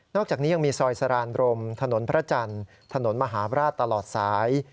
อกจากนี้ยังมีซอยสรานรมถนนพระจันทร์ถนนมหาบราชตลอดสาย